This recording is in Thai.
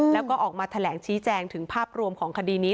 แล้วก็ออกมาแถลงชี้แจงถึงภาพรวมของคดีนี้